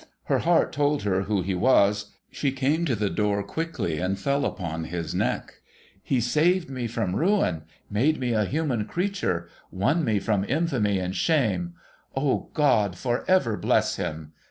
Her heart told her who he was ; she came to the door quickly, and fell upon his neck. ' He saved me from ruin, made me a human creature, won me from infamy and shame. O, God for ever bless him